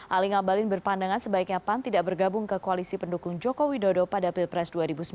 ali ngabalin berpandangan sebaiknya pan tidak bergabung ke koalisi pendukung joko widodo pada pilpres dua ribu sembilan belas